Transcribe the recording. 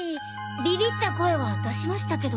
ビビった声は出しましたけど。